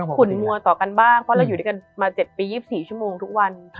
ขุนมัวต่อกันบ้างเพราะเราอยู่ด้วยกันมา๗ปี๒๔ชั่วโมงทุกวัน